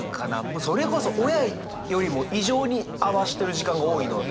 それこそ親よりも異常にあわしてる時間が多いので。